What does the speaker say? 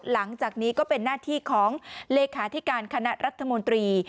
หลังจากนี้ก็เป็นหน้าที่ของเลขาธิการคณะรัฐมนตรี